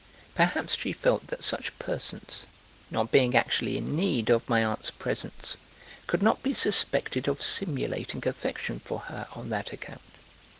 Perhaps she felt that such persons, not being actually in need of my aunt's presents, could not be suspected of simulating affection for her on that account.